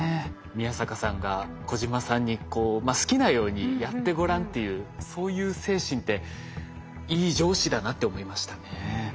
宮坂さんが小島さんに「好きなようにやってごらん」っていうそういう精神っていい上司だなって思いましたね。